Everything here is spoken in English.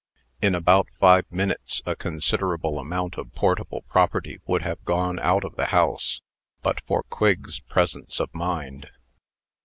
In about five minutes, a considerable amount of portable property would have gone out of the house, but for Quigg's presence of mind.